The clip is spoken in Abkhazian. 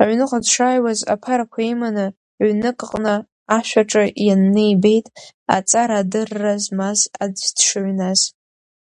Аҩныҟа дшааиуаз аԥарақәа иманы, ҩнык аҟны ашәаҿы ианны ибеит аҵара-адырра змаз аӡә дшыҩназ.